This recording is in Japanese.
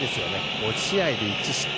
５試合で１失点。